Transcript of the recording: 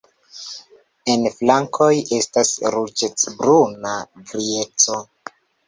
En flankoj estas ruĝecbruna strieco.